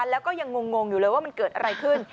แล้วก็ยังงงอยู่เลยว่ามันเกิดอะไรขึ้น